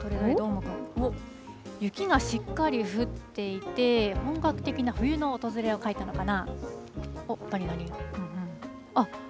雪がしっかり降っていて、本格的な冬の訪れを描いたのかな。